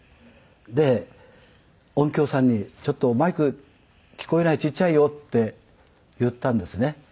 で音響さんに「ちょっとマイク聞こえない」「ちっちゃいよ」って言ったんですね。